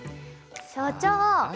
所長！